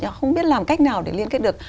họ không biết làm cách nào để liên kết được